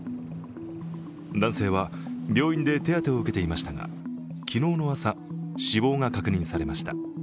男性は病院で手当を受けていましたが昨日の朝、死亡が確認されました。